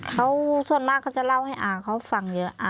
เขาส่วนมากเขาจะเล่าให้อาเขาฟังเยอะ